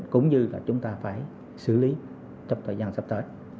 cũng như là chúng ta phải xử lý trong thời gian sắp tới